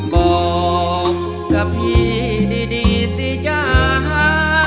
บอกกับพี่ดีสิจ้า